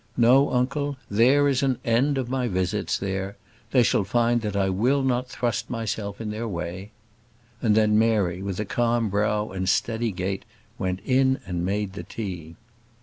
No, uncle; there is an end of my visits there. They shall find that I will not thrust myself in their way." And then Mary, with a calm brow and steady gait, went in and made the tea.